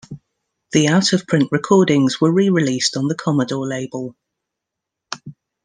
The out-of-print recordings were re-released on the Commodore label.